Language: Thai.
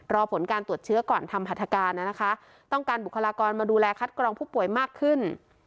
รอผลการตรวจเชื้อก่อนทำพัฒนาการนะคะต้องการบุคลากรมาดูแลคัดกรองผู้ป่วยมากขึ้น